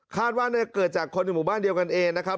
ว่าเกิดจากคนในหมู่บ้านเดียวกันเองนะครับ